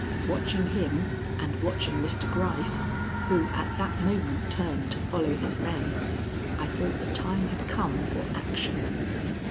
Watching him and watching Mr. Gryce, who at that moment turned to follow his men, I thought the time had come for action.